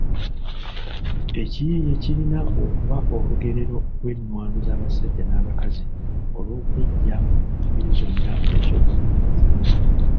Ekiyiiye kirina okuba olugerero lw’ennwaano z’abasajja n’abakazi olw’okweggya mu ngeri zonna ez’obunyigiriza.